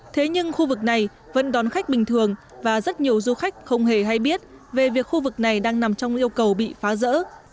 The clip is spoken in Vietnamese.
thế nhưng khu vực này vẫn đón khách bình thường và rất nhiều du khách không hề hay biết về việc khu vực này đang nằm trong yêu cầu bị phá rỡ